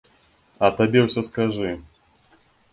А табе ўсё скажы!